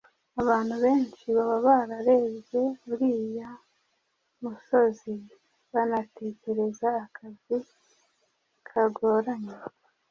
Abantu benshi baba bararebye uriya musozi banatekereza akazi kagoranye